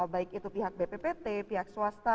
baik itu pihak bppt pihak swasta